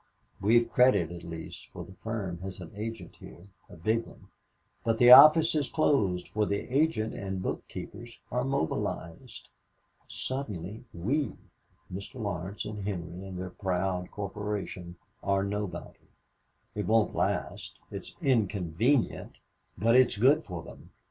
We've credit, at least, for the firm has an agent here a big one; but the office is closed, for the agent and bookkeepers are mobilized. Suddenly we, Mr. Laurence and Henry and their proud corporation, are nobody. It won't last. It's inconvenient, but it's good for them.